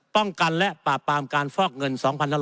ป้องกันและปราบปรามการฟอกเงิน๒๕๖๐